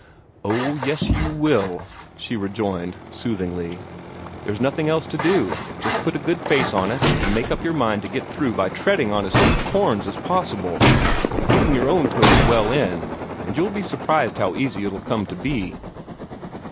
"Oh h, yes, you will," she rejoined soothingly. "There's nothing else to do. Just put a good face on it, and make up your mind to get through by treading on as few corns as possible, and keeping your own toes well in, and you'll be surprised how easy it'll all come to be.